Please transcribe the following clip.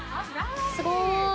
すごーい。